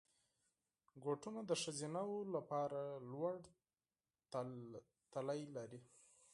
بوټونه د ښځینه وو لپاره لوړ تل لري.